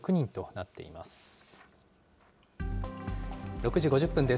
６時５０分です。